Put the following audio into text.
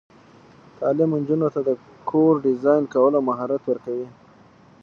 تعلیم نجونو ته د کور ډیزاین کولو مهارت ورکوي.